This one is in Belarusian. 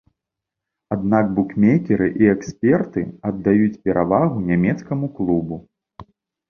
Аднак букмекеры і эксперты аддаюць перавагу нямецкаму клубу.